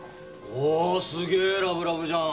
おすげえラブラブじゃん。